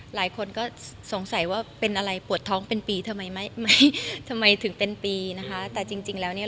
หลายคนก็สงสัยว่าเป็นอะไรปวดท้องเป็นปีทำไมไม่ไม่ทำไมถึงเป็นปีนะคะแต่จริงจริงแล้วเนี่ย